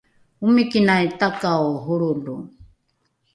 omikinai takao holrolo